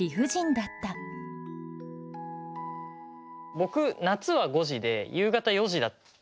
僕夏は５時で夕方４時だったんですよ。